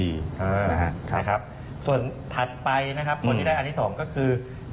ส่วนถัดไปคนที่ได้อันนี้สองก็คือ